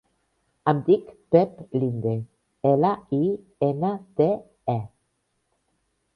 Em dic Pep Linde: ela, i, ena, de, e.